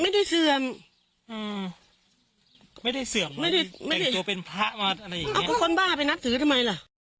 ไม่ได้เสื่อมเหมือนเป็นตัวเป็นพระหรืออะไรอย่างนี้เอาคนบ้าไปนับสือทำไมล่ะ